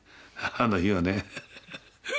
あの日はね。